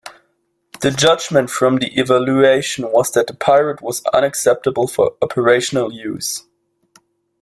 The judgment from the evaluation was that the Pirate was unacceptable for operational use.